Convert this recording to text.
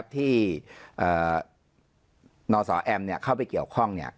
ที่นศแอมเข้าไปเกี่ยวข้อง